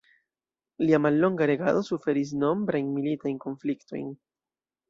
Lia mallonga regado suferis nombrajn militajn konfliktojn.